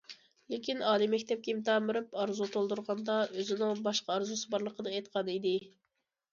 لېكىن ئالىي مەكتەپكە ئىمتىھان بېرىپ، ئارزۇ تولدۇرغاندا ئۆزىنىڭ باشقا ئارزۇسى بارلىقىنى ئېيتقانىدى.